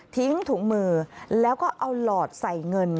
ถุงมือแล้วก็เอาหลอดใส่เงิน